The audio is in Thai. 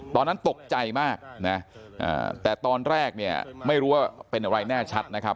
ตอนนั้นตกใจมากนะแต่ตอนแรกเนี่ยไม่รู้ว่าเป็นอะไรแน่ชัดนะครับ